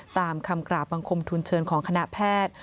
ตามคำกราบบังคมทุนเชิญของคณะแพทย์